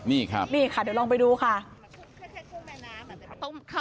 นี่ค่ะเดี๋ยวลองไปดูค่ะ